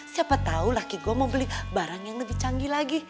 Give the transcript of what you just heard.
siapa tahu laki gue mau beli barang yang lebih canggih lagi